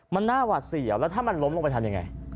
มันน่าหวาดเสียวแล้วถ้ามันล้มลงไปทำยังไง